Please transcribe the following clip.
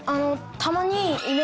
たまに。